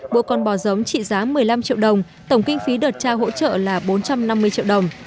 mỗi con bò giống trị giá một mươi năm triệu đồng tổng kinh phí đợt trao hỗ trợ là bốn trăm năm mươi triệu đồng